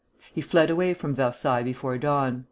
He fled away from Versailles before dawn.